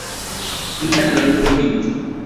Mutanen Howdy.